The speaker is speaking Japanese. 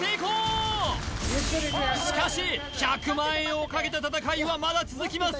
しかし１００万円をかけた戦いはまだ続きます